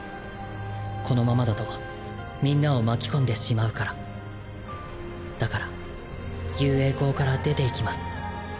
このままだとみんなを巻き込んでしまうからだから雄英高から出て行きます。